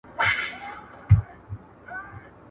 ورکه سې کمبلي، چي نه د باد يې نه د باران.